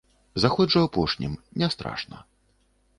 Заходжу апошнім, не страшна.